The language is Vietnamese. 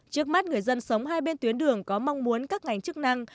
trước mắt người dân sống hai bên tuyến đường có mong muốn các ngành chức năng